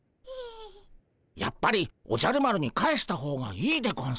やっぱりおじゃる丸に返した方がいいでゴンス。